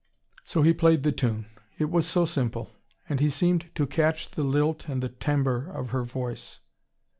So he played the tune. It was so simple. And he seemed to catch the lilt and the timbre of her voice.